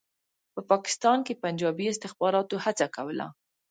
په پاکستان کې پنجابي استخباراتو هڅه کوله.